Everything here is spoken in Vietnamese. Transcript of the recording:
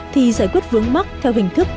thì giải quyết vướng mắt theo hình thức